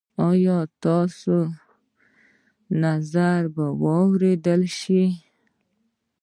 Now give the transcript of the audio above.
ایا ستاسو نظر به واوریدل شي؟